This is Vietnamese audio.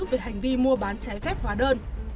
về hành vi mua bán trái phép hóa đơn